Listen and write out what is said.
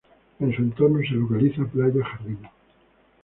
En su entorno se localiza Playa Jardín.